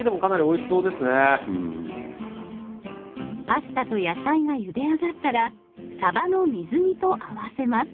パスタと野菜がゆで上がったらさばの水煮と合わせます。